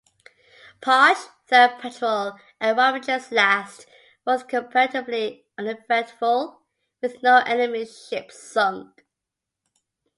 "Parche"'s third patrol, and Ramage's last, was comparatively uneventful, with no enemy ships sunk.